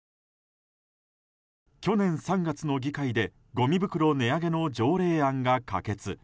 去年３月の議会でごみ袋値上げの条例案が可決。